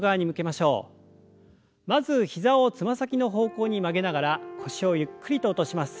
まず膝をつま先の方向に曲げながら腰をゆっくりと落とします。